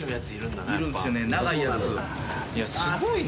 ・いやすごいな。